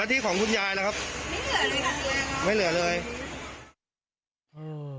แล้วที่ของคุณยายล่ะครับไม่เหลือเลยครับ